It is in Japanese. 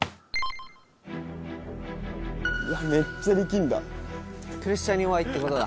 めっちゃ力んだ。